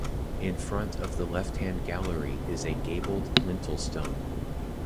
In front of the left-hand gallery is a gabled lintel-stone.